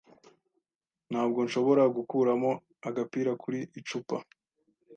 Ntabwo nshobora gukuramo agapira kuri icupa.